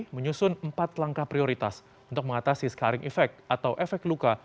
menyusun empat langkah prioritas untuk mengatasi scaring effect atau efek luka